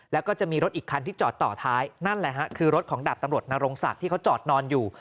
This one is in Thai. แล้วก็จะมีรถอีกคันที่จอดต่อท้ายนั่นแหละฮะคือรถของดาบตำรวจนรงศักดิ์ที่เขาจอดนอนอยู่